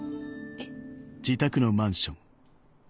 えっ？